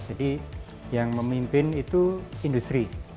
jadi yang memimpin itu industri